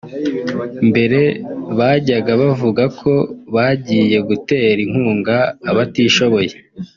Mbere bajyaga bavuga ko bagiye gutera inkunga abatishoboye